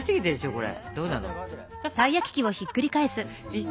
これ。